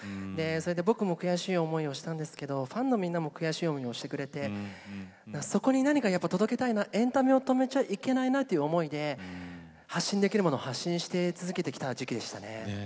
僕も悔しい思いをしたんですがファンのみんなも悔しい思いをしてくれてそこに何か届けたいなエンタメを止めちゃいけないなという思いで発信できるものは発信し続けた時期でした。